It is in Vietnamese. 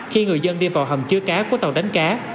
khi người dân đi vào hầm chứa cá của tàu đánh cá